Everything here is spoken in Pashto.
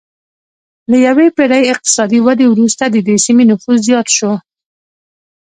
له یوې پېړۍ اقتصادي ودې وروسته د دې سیمې نفوس زیات شو